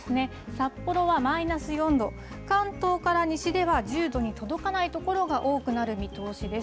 札幌はマイナス４度、関東から西では１０度に届かない所が多くなる見通しです。